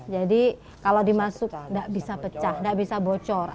jadi kalau dimasuk tidak bisa pecah tidak bisa bocor